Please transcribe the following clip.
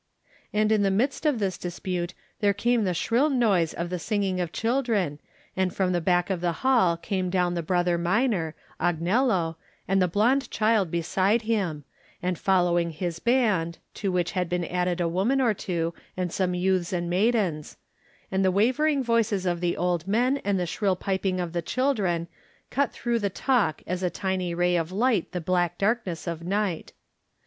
And in the midst of this dispute there came the shrill noise of the singing of chil dren, and from the back of the hall came down the Brother Minor, Agnello, and the blond child beside him, and following his band, to which had been added a woman or two and some youths and maidens; and the wavering voices of the old men and the shrill piping of the children cut through the talk as a tiny ray of light the black darkness of night.